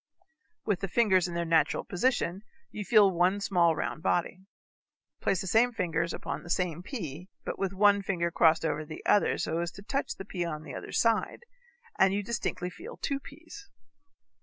With the fingers in their natural position you feel one small round body. Place the same fingers upon the same pea, but with one finger crossed over the other so as to touch the pea on the other side, and you distinctly feel two peas.